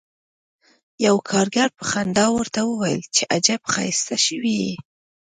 یوه کارګر په خندا ورته وویل چې عجب ښایسته شوی یې